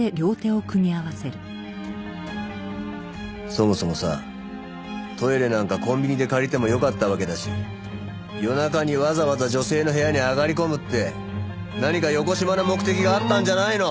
そもそもさトイレなんかコンビニで借りてもよかったわけだし夜中にわざわざ女性の部屋に上がり込むって何かよこしまな目的があったんじゃないの！？